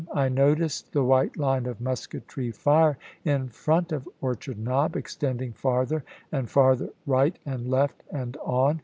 I noticed the white line of musketry fire in front of Orchard Knob, extending farther and farther right and left and on.